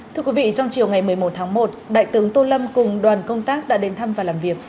thưa quý vị trong chiều ngày một mươi một tháng một đại tướng tô lâm cùng đoàn công tác đã đến thăm và làm việc